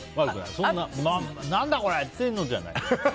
何だこれ！っていうのじゃない。